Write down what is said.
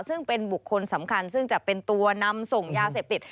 ซึ่งเป็นบุคคลสำคัญซึ่งจะเป็นตัวนำส่งยาเสพติด